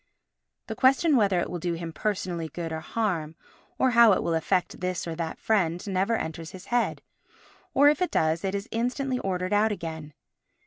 The question whether it will do him personally good or harm, or how it will affect this or that friend, never enters his head, or, if it does, it is instantly ordered out again.